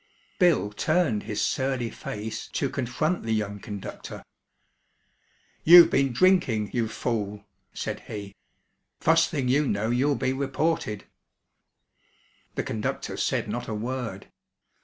Bill turned his surly face to confront the young conductor. "You've been drinking, you fool," said he. "Fust thing you know you'll be reported." The conductor said not a word.